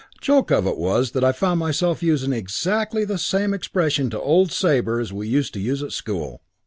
Joke of it was that I found myself using exactly the same expression to old Sabre as we used to use at school.